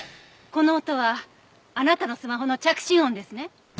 この音はあなたのスマホの着信音ですね？